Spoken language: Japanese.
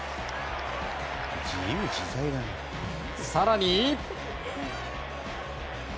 更に。